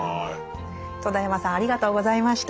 戸田山さんありがとうございました。